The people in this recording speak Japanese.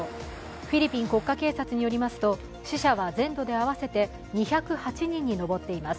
フィリピン国家警察によりますと死者は全土で合わせて２０８人に上っています。